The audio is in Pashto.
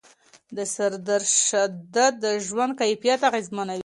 د سردرد شدت د ژوند کیفیت اغېزمنوي.